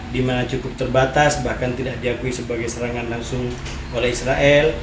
di mana cukup terbatas bahkan tidak diakui sebagai serangan langsung oleh israel